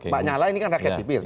pak nyala ini kan rakyat sipil